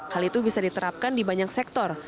hal itu bisa diterapkan di banyak sektor